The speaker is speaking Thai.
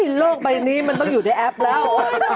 เฮ่ยโลกใบนี้ต้องอยู่ในแอปแล้ว